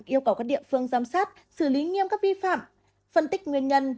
yêu cầu các địa phương giám sát xử lý nghiêm các vi phạm phân tích nguyên nhân